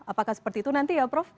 apakah seperti itu nanti ya prof